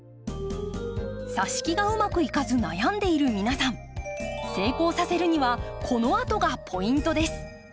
さし木がうまくいかず悩んでいる皆さん成功させるにはこのあとがポイントです。